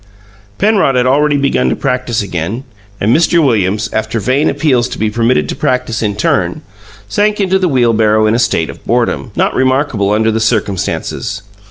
Penrod had already begun to "practice" again, and Mr. Williams, after vain appeals to be permitted to practice in turn, sank into the wheelbarrow in a state of boredom, not remarkable under the circumstances.